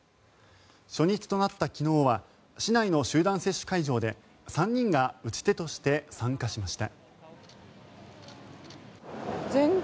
初日となった昨日は市内の集団接種会場で３人が打ち手として参加しました。